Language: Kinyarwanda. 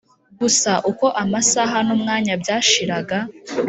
gusa uko amasaha numwanya byashiraga